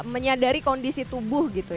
menyadari kondisi tubuh gitu ya